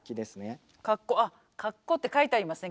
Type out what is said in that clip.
あっカッコって書いてありますね